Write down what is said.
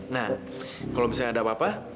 nah kalau misalnya ada apa apa